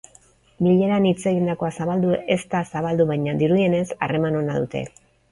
Bileran hitz egindakoa zabaldu ez da zabaldu baina dirudienez, harreman ona dute.